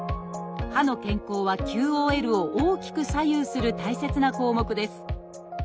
歯の健康はＱＯＬを大きく左右する大切な項目です。